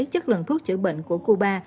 chất lượng thuốc chữa bệnh của cuba